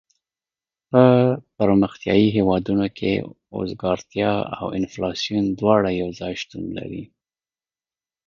په پرمختیایي هېوادونو کې اوزګارتیا او انفلاسیون دواړه یو ځای شتون لري.